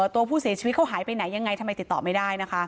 ตัวผู้เสียชีวิตเขาหายไปไหนยังไงทำไมติดต่อไม่ได้นะคะ